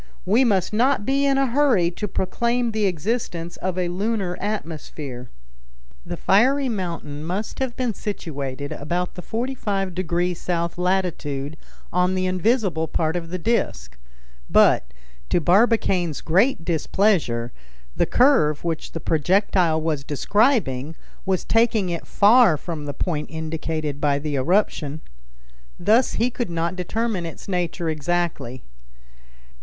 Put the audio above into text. We must not be in a hurry to proclaim the existence of a lunar atmosphere." The fiery mountain must have been situated about the 45° south latitude on the invisible part of the disc; but, to Barbicane's great displeasure, the curve which the projectile was describing was taking it far from the point indicated by the eruption. Thus he could not determine its nature exactly.